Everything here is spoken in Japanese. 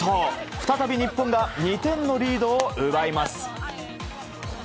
再び日本が２点のリードを奪います。